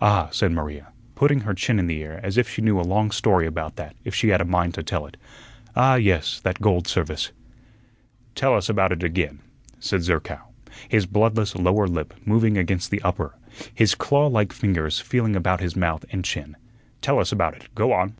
"Ah," said Maria, putting her chin in the air as if she knew a long story about that if she had a mind to tell it. "Ah, yes, that gold service." "Tell us about it again," said Zerkow, his bloodless lower lip moving against the upper, his claw like fingers feeling about his mouth and chin. "Tell us about it; go on."